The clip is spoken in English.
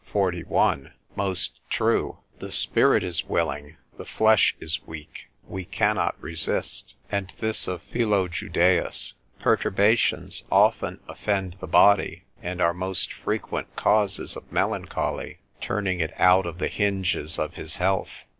41, most true, The spirit is willing, the flesh is weak, we cannot resist; and this of Philo Judeus, Perturbations often offend the body, and are most frequent causes of melancholy, turning it out of the hinges of his health.